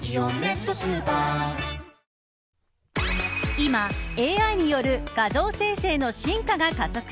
今、ＡＩによる画像生成の進化が加速。